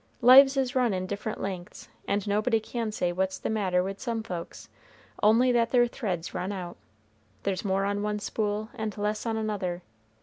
Lives is run in different lengths, and nobody can say what's the matter with some folks, only that their thread's run out; there's more on one spool and less on another.